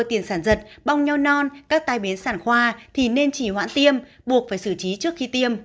tiền sản giật bong nho non các tai biến sản khoa thì nên chỉ hoãn tiêm buộc phải xử trí trước khi tiêm